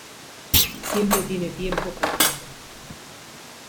Siempre tiene tiempo para todo.